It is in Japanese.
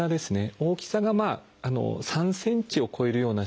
大きさが３ｃｍを超えるような腫瘍。